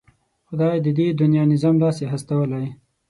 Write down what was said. خدای د دې دنيا نظام داسې هستولی.